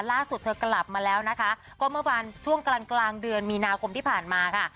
ล่าสุดเธอกลับมาแล้วนะคะก็เมื่อวานช่วงกลางกลางเดือนมีนาคมที่ผ่านมาค่ะ